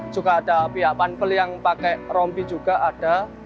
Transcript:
juga ada pihak panpel yang pakai rompi juga ada